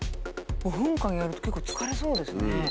５分間やるって結構疲れそうですね。